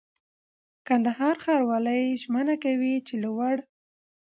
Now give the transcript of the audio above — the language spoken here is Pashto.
کندهار ښاروالي ژمنه کوي چي له وړ